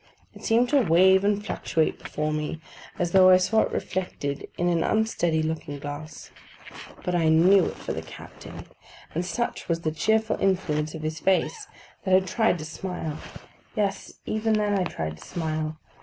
It seemed to wave and fluctuate before me as though I saw it reflected in an unsteady looking glass; but I knew it for the captain; and such was the cheerful influence of his face, that I tried to smile: yes, even then I tried to smile.